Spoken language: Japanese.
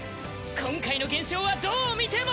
今回の現象はどう見ても！